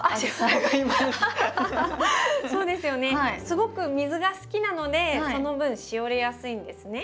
すごく水が好きなのでその分しおれやすいんですね。